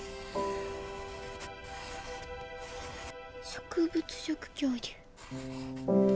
植物食恐竜。